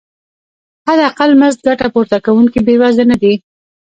حداقل مزد ګټه پورته کوونکي بې وزله نه دي.